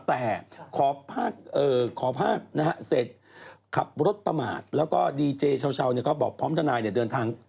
แต่ขอพากษ์เสร็จขับรถประมาทแล้วก็ดีเจเช้าก็บอกพร้อมท่านายเดินทาง